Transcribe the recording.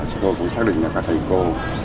chúng tôi cũng xác định là các thầy cô